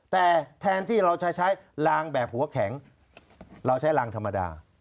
แต่แทนที่เราจะใช้ลางแบบหัวแข็งเราใช้ลางธรรมดา